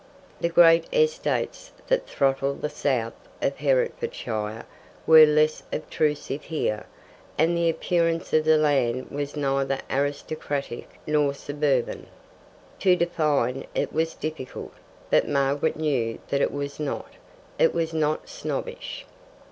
The great estates that throttle the south of Hertfordshire were less obtrusive here, and the appearance of the land was neither aristocratic nor suburban. To define it was difficult, but Margaret knew what it was not: it was not snobbish.